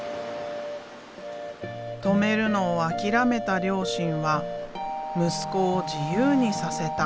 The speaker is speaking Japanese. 止めるのを諦めた両親は息子を自由にさせた。